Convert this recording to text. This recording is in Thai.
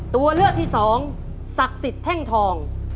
ตัวเลือกที่สองศักดิ์สิทธิ์แท่งทอง